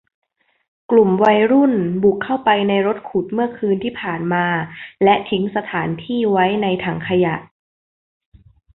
กลุ่มวัยรุ่นบุกเข้าไปในรถขุดเมื่อคืนที่ผ่านมาและทิ้งสถานที่ไว้ในถังขยะ